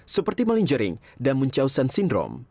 seperti malingering dan muncausan sindrom